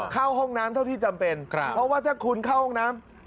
เข้าห้องน้ำเท่าที่จำเป็นเพราะว่าถ้าคุณเข้าห้องน้ำ